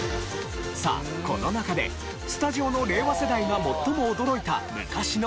さあこの中でスタジオの令和世代が最も驚いた昔の常識は？